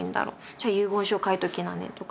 「じゃあ遺言書書いときなね」とか。